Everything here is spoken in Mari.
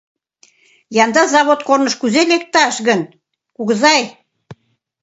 Янда завод корныш кузе лекташ гын, кугызай?